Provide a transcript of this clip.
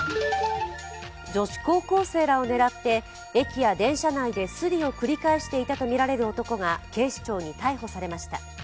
女子高校生らを狙って駅や電車内でスリを繰り返していたとみられる男が警視庁で逮捕されました。